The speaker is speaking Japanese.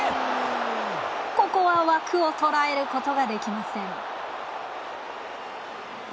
ここは枠をとらえることができません。